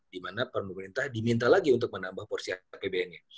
dimana pemerintah diminta lagi untuk menambah porsi apbn nya